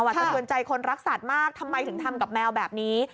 สะเทือนใจคนรักสัตว์มากทำไมถึงทำกับแมวแบบนี้